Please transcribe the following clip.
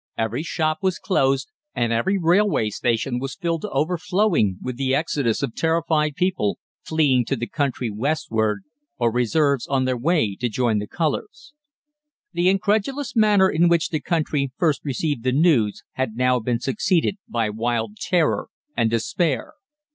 Every shop was closed, and every railway station was filled to overflowing with the exodus of terrified people fleeing to the country westward, or reserves on their way to join the colours. The incredulous manner in which the country first received the news had now been succeeded by wild terror and despair.